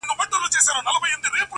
هـغــه اوس سيــمــي د تـــــه ځـــــي.